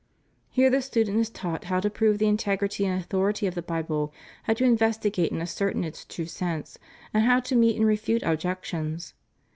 Here the student is taught how to prove the integrity and authority of the Bible, how to investigate and ascertain its true sense, and how to meet and refute objections.